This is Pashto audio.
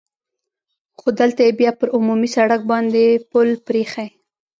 خو دلته یې بیا پر عمومي سړک باندې پل پرې اېښی.